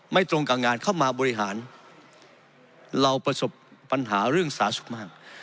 ตรงกับงานเข้ามาบริหารเราประสบปัญหาเรื่องสาธารณสุขมาก